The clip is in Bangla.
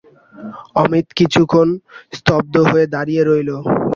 অমিত কিছুক্ষণ স্তব্ধ হয়ে দাঁড়িয়ে রইল।